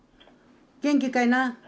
元気かいな？